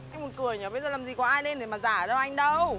anh buồn cười nhớ bây giờ làm gì có ai lên để mà rả đâu anh đâu